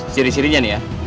siri sirinya nih ya